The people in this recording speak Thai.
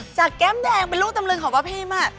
จากแก้มแดงเป็นลูกตำลึงของวัฒน์เพมอ่ะ